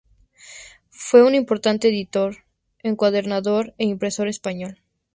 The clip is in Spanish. Fue un importante editor, encuadernador e impresor español.